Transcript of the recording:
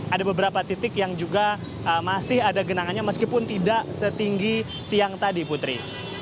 ada beberapa titik yang juga masih ada genangannya meskipun tidak setinggi siang tadi putri